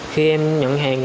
khi em nhận hàng